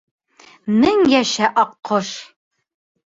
— Мең йәшә, аҡҡош!